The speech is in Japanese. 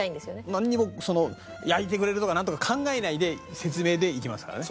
何もその焼いてくれるとかなんとか考えないで説明でいきますからね。